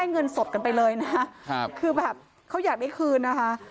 เยอะค่ะค่ะคือแบบเขาอยากได้คืนน่ะค่ะ